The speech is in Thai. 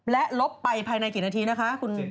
และลบไปภายในกี่นาทีนะคะคุณ